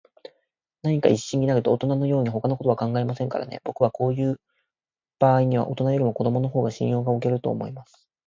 何かに一心になると、おとなのように、ほかのことは考えませんからね。ぼくはこういうばあいには、おとなよりも子どものほうが信用がおけると思います。